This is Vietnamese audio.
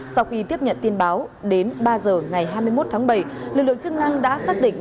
sau khi tiếp nhận tin báo đến ba giờ ngày hai mươi một tháng bảy lực lượng chức năng đã xác định